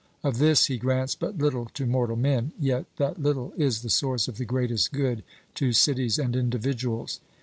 Of this he grants but little to mortal men; yet that little is the source of the greatest good to cities and individuals.